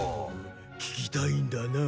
聴きたいんだなあ。